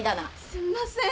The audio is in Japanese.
すんません。